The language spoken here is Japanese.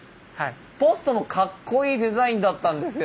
ポストもかっこいいデザインだったんですよ